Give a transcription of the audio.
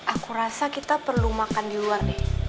aku rasa kita perlu makan di luar deh